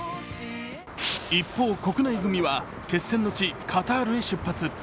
一方、国内組は決戦の地・カタールへ出発。